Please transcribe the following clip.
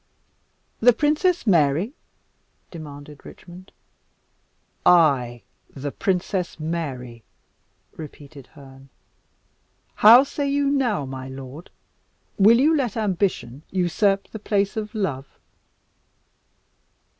"The Princess Mary?" demanded Richmond. "Ay, the Princess Mary," repeated Herne. "How say you now, my lord? will you let ambition usurp the place of love?"